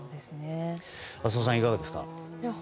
浅尾さん、いかがですか。